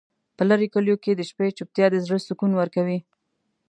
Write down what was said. په لرې کلیو کې د شپې چوپتیا د زړه سکون ورکوي.